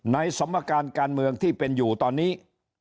สมการการเมืองที่เป็นอยู่ตอนนี้